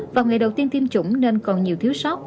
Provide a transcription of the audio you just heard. vào ngày đầu tiên tiêm chủng nên còn nhiều thiếu sót